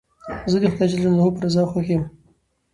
زه د خدای جل جلاله په رضا خوښ یم.